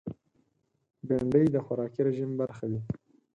بېنډۍ د خوراکي رژیم برخه وي